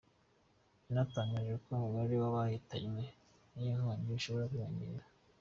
Yanatangaje ko umubare w’abahitanwe n’iyo nkongi ushobora kwiyongera.